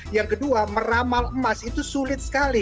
yang kedua meramal emas itu sulit sekali